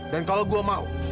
dan kalau gue mau